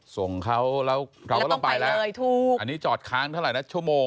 ส่งเขาแล้วเราก็ต้องไปแล้วอันนี้จอดค้างเท่าไหร่นะชั่วโมง